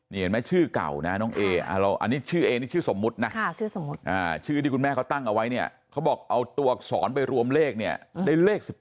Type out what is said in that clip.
นี่เห็นไหมชื่อเก่านะน้องเออันนี้ชื่อเอนี่ชื่อสมมุตินะชื่อที่คุณแม่เขาตั้งเอาไว้เนี่ยเขาบอกเอาตัวอักษรไปรวมเลขเนี่ยได้เลข๑๘